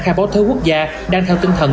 khai báo thuế quốc gia đang theo tinh thần